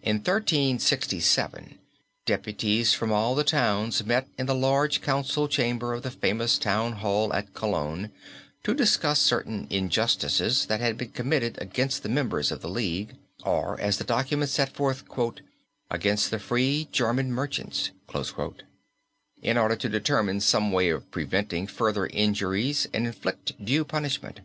In 1367 deputies from all the towns met in the large council chamber of the famous town hall at Cologne to discuss certain injustices that had been committed against the members of the League, or as the document set forth "against the free German merchants," in order to determine some way of preventing further injuries and inflict due punishment.